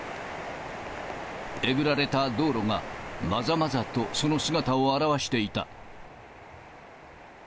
えぐられた道路が、まざまざとその姿を現していた。